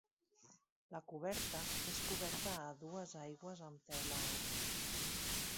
La coberta és coberta a dues aigües amb teula àrab.